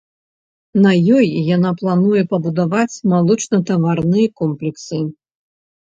На ёй яна плануе пабудаваць малочнатаварныя комплексы.